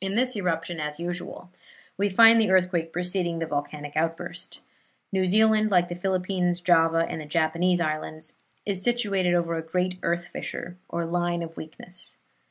In this eruption, as usual, we find the earthquake preceding the volcanic outburst. New Zealand, like the Philippines, Java and the Japanese Islands, is situated over a great earth fissure or line of weakness.